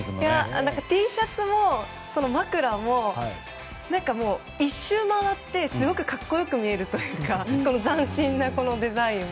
Ｔシャツも枕も１周回ってすごく格好よく見えるというかしかも斬新なこのデザインも。